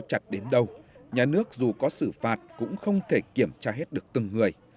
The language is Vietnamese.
chặt đến đâu nhà nước dù có xử phạt cũng không thể kiểm tra hết được từng người